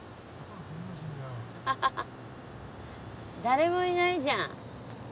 誰もいないじゃん。